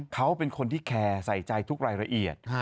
เขาเป็นคนที่แคร์ใส่ใจทุกรายละเอียด